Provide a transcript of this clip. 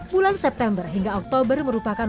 bulan september hingga oktober merupakan